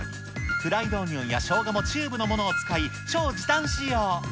フライドオニオンやしょうがもチューブのものを使い、超時短仕様。